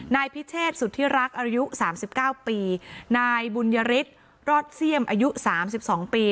นายพิเศษสุทธิรักย์อายุ๓๙ปีนายบุญริชรอดเซียมอายุ๓๒ปี